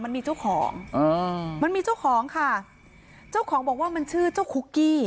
มันมีเจ้าของค่ะเจ้าของบอกว่ามันชื่อเจ้าคุกกี้